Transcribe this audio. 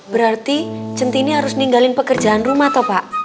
berarti centini harus ninggalin pekerjaan rumah atau pak